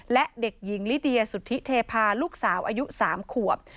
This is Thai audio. และเด็กหญิงลิเดียสุธิเทพาลูกสาวอายุ๓ขวบ